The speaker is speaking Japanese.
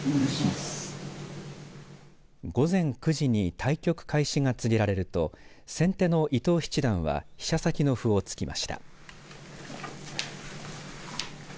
午前９時に対局開始が告げられると先手の伊藤七段は飛車先の歩を突きました。